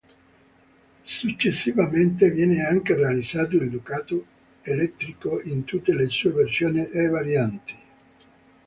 Successivamente viene anche realizzato il Ducato elettrico, in tutte le sue versioni e varianti.